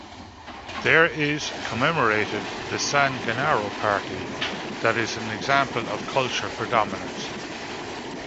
There is commemorated the "San Gennaro Party" that is an example of culture predominance.